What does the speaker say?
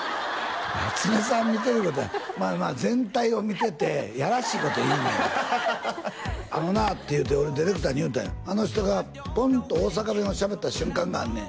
夏目さん見てるいうことはまあ全体を見ててやらしいこと言いなや「あのな」っていうて俺ディレクターに言うたんや「あの人がポンッと大阪弁をしゃべった瞬間があんねん」